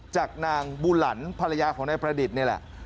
จากนางบูหลันภรรยาของนายประดิษฐ์นี่แหละ